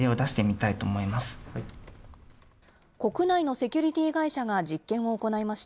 国内のセキュリティー会社が実験を行いました。